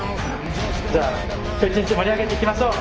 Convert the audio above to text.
じゃあ今日１日盛り上げていきましょう！